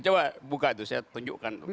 coba buka itu saya tunjukkan